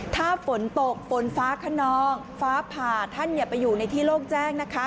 ถ้าฝนตกฝนฟ้าขนองฟ้าผ่าท่านอย่าไปอยู่ในที่โล่งแจ้งนะคะ